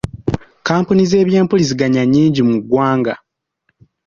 Kkampuni z'ebyempuliziganya nnyingi mu ggwanga.